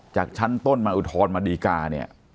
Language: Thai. จากชั้นต้นมาอุทธรณ์มาดีกาเนี่ย